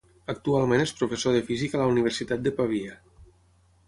Actualment és professor de física a la Universitat de Pavia.